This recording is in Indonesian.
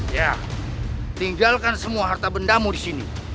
ya tinggalkan semua harta bendamu di sini